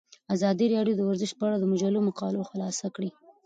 ازادي راډیو د ورزش په اړه د مجلو مقالو خلاصه کړې.